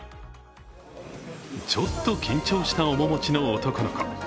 ちょっと緊張した面持ちの男の子。